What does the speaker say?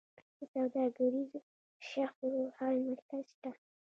د سوداګریزو شخړو حل مرکز شته؟